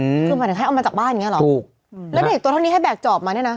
คือหมายถึงให้เอามาจากบ้านอย่างเงี้เหรอถูกอืมแล้วนี่อีกตัวเท่านี้ให้แกกจอบมาเนี้ยน่ะ